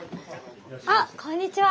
あこんにちは。